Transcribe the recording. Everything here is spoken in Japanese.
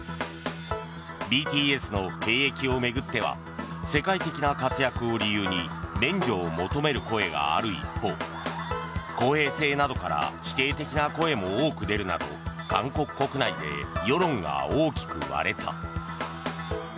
ＢＴＳの兵役を巡っては世界的な活躍を理由に免除を求める声がある一方公平性などから否定的な声も多く出るなど韓国国内で世論が大きく割れた。